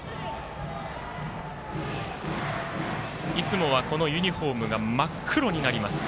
いつもはこのユニフォームが真っ黒になります